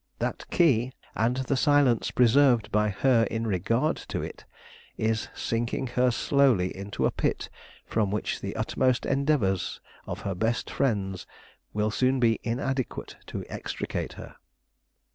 That key, and the silence preserved by her in regard to it, is sinking her slowly into a pit from which the utmost endeavors of her best friends will soon be inadequate to extricate her."